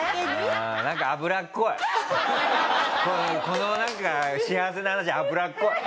このなんか幸せな話油っこい。